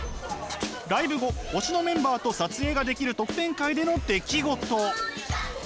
ライブ後推しのメンバーと撮影ができる特典会での出来事。